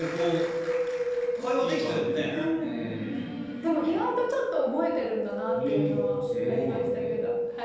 でも意外とちょっと覚えてるんだなっていうのはありましたけどはい。